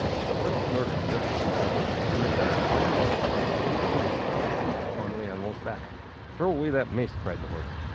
The horse snorted, as if with contempt, and the guards finally managed to hoist the little kinglet to his seat upon the animal's back. "Throw away that mace!" cried the horse.